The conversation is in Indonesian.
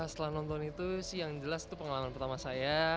setelah nonton itu sih yang jelas itu pengalaman pertama saya